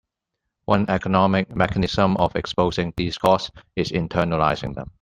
One economic mechanism of exposing these costs is internalizing them.